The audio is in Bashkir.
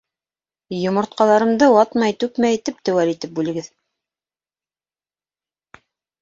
Йомортҡаларымды ватмай-түкмәй, теп-теүәл итеп бүлегеҙ!